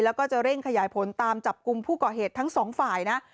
และเร่งขยายผลตามจับกุมผู้ประเหตุทั้ง๒ฝ่ายนะ